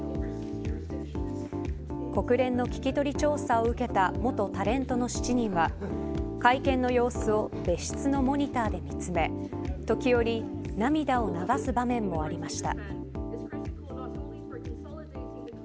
国連の聞き取り調査を受けた元タレントの７人は会見の様子を別室のモニターで見つめ時折涙を流す場面もありました。